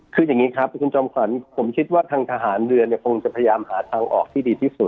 คืออย่างนี้ครับคุณจอมขวัญผมคิดว่าทางทหารเรือเนี่ยคงจะพยายามหาทางออกที่ดีที่สุด